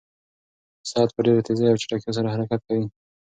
ساعت په ډېرې تېزۍ او چټکتیا سره حرکت کوي.